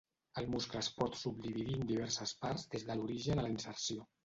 El muscle es pot subdividir en diverses parts des de l"origen a la inserció.